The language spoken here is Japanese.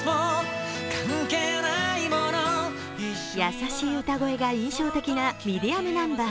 優しい歌声が印象的なミディアムナンバー。